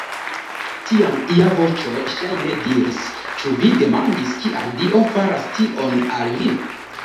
Tiam ia voĉo ŝajne diris: Ĉu vi demandis, kial Dio faras tion al vi?